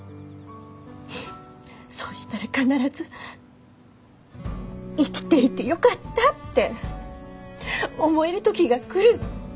そうしたら必ず「生きていてよかった」って思える時が来る。